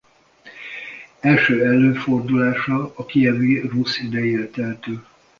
Első előfordulása a Kijevi Rusz idejére tehető.